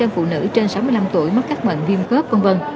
năm mươi chín phụ nữ trên sáu mươi năm tuổi mất các bệnh viêm khớp v v